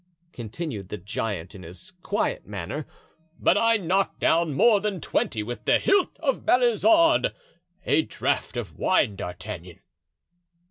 continued the giant, in his quiet manner; "but I knocked down more than twenty with the hilt of Balizarde. A draught of wine, D'Artagnan."